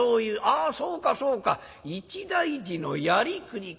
あそうかそうか一大事のやりくりか。